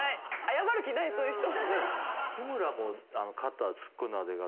謝る気ないそういう人。